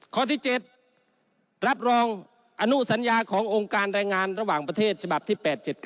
ข้อที่๗รับรองอนุสัญญาขององค์การรายงานระหว่างประเทศฉบับที่๘๗๙